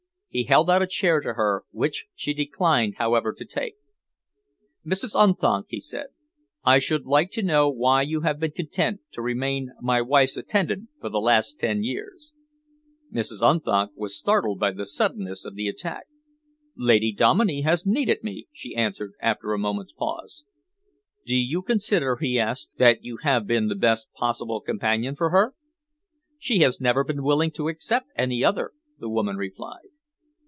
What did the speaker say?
He held out a chair to her, which she declined, however, to take. "Mrs. Unthank," he said, "I should like to know why you have been content to remain my wife's attendant for the last ten years?" Mrs. Unthank was startled by the suddenness of the attack. "Lady Dominey has needed me," she answered, after a moment's pause. "Do you consider," he asked, "that you have been the best possible companion for her?" "She has never been willing to accept any other," the woman replied.